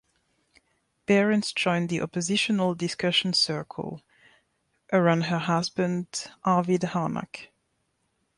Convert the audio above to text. Behrens joined the oppositional discussion circle around her husband Arvid Harnack.